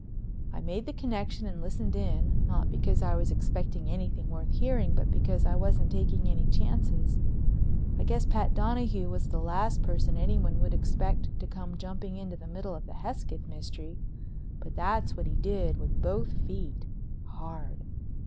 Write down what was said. I made the connection and listened in, not because I was expecting anything worth hearing, but because I wasn't taking any chances. I guess Pat Donahue was the last person anyone would expect to come jumping into the middle of the Hesketh mystery—but that's what he did, with both feet, hard.